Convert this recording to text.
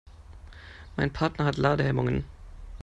Mein Partner hat Ladehemmungen.